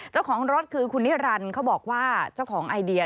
เจ้าของรถคือคุณนิรันดิ์เขาบอกว่าเจ้าของไอเดีย